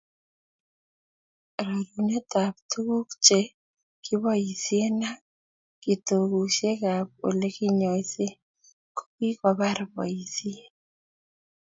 Rerunetab tuguk che kiboisie ak kitokusiekab Ole kinyoise ko kikobar boisiet